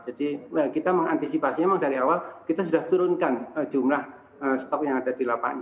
jadi kita mengantisipasi memang dari awal kita sudah turunkan jumlah stok yang ada di lapaknya